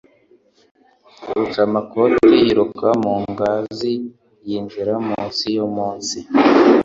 Rucamakoti yiruka mu ngazi yinjira mu nsi yo munsi